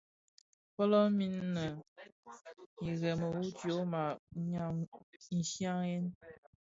Fölömin innë irèmi wu tyoma nshiaghèn.